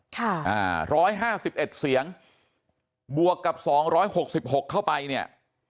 ค่ะอ่าร้อยห้าสิบเอ็ดเสียงบวกกับสองร้อยหกสิบหกเข้าไปเนี่ย